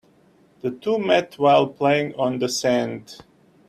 The two met while playing on the sand.